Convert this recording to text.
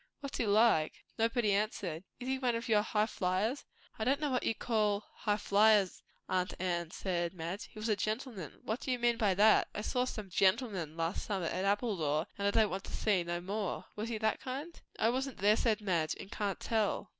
"What's he like?" Nobody answered. "Is he one of your high flyers?" "I don't know what you call high flyers, aunt Anne," said Madge. "He was a gentleman." "What do you mean by that? I saw some 'gentlemen' last summer at Appledore and I don't want to see no more. Was he that kind?" "I wasn't there," said Madge, "and can't tell.